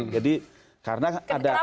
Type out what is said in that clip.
jadi karena ada